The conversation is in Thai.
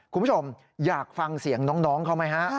คุณผู้ชมอยากฟังเสียงน้องเขาไหมฮะ